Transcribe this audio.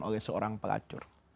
untuk orang pelacur